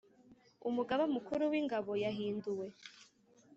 Umugaba Mukuru wingabo yahinduwe